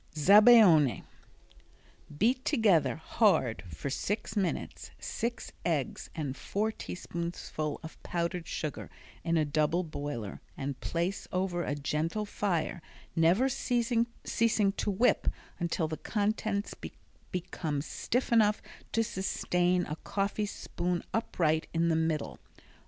Zabaione Beat together, hard, for six minutes, six eggs and four teaspoonfuls of powdered sugar in a double boiler and place over a gentle fire, never ceasing to whip until the contents become stiff enough to sustain a coffee spoon upright in the middle.